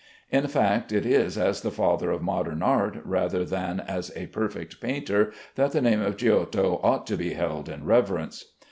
In fact, it is as the father of modern art rather than as a perfect painter that the name of Giotto ought to be held in reverence.